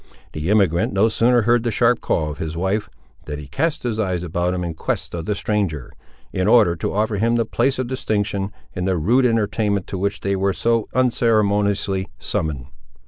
The emigrant no sooner heard the sharp call of his wife, than he cast his eyes about him in quest of the stranger, in order to offer him the place of distinction, in the rude entertainment to which they were so unceremoniously summoned.